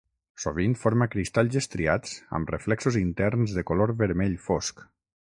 Sovint forma cristalls estriats amb reflexos interns de color vermell fosc.